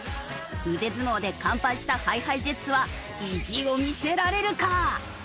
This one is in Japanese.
腕相撲で完敗したＨｉＨｉＪｅｔｓは意地を見せられるか！？